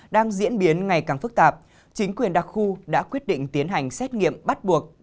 đang diễn biến ngày càng phức tạp chính quyền đặc khu đã quyết định tiến hành xét nghiệm bắt buộc